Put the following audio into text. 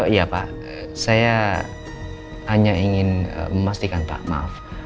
iya pak saya hanya ingin memastikan pak maaf